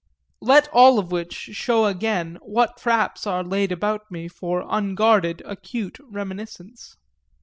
Let all of which show again what traps are laid about me for unguarded acute reminiscence.